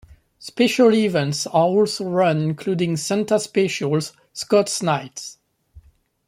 Special events are also run including Santa Specials, Scots Nights.